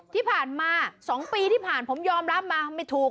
ที่ผ่านมา๒ปีที่ผ่านมาผมยอมรับมาไม่ถูก